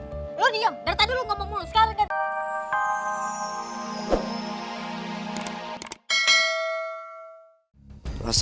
lo diem daritaduh lo ngomong mulu sekali gada